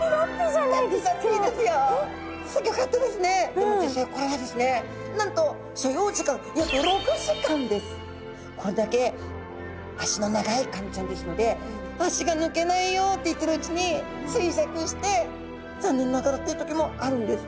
でも実際これはですねなんとこれだけ脚の長いカニちゃんですので脚が抜けないよって言っているうちに衰弱して残念ながらっていう時もあるんです。